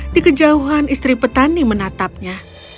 di kejauhan istri petani menatapnya